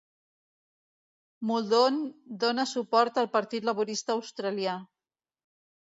Muldoon dona suport al Partit Laborista Australià.